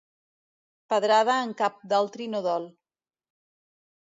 Pedrada en cap d'altri no dol.